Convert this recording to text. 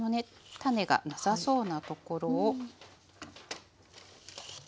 種がなさそうなところを。